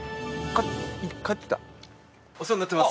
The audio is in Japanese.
お世話になってます。